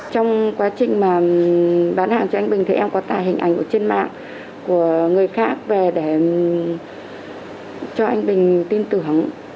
trong quá trình bán hàng cho anh bình thì em có tài hình ảnh trên mạng của người khác về để cho anh bình tin tưởng